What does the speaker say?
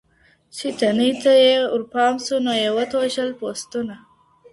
چي تنې ته یې ورپام سو نو یې وتوږل پوستونه